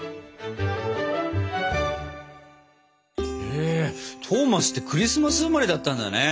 へえトーマスってクリスマス生まれだったんだね。ね。